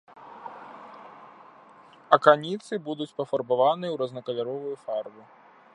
Аканіцы будуць пафарбаваны ў рознакаляровую фарбу.